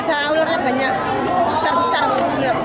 ada ulurnya banyak besar besar ulur